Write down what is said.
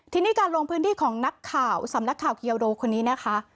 ทีนี้การลงพื้นที่ของนักข่าวสำนักข่าวเกียวโดคนนี้นะคะ